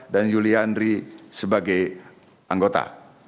dan yulian ri sebagai anggota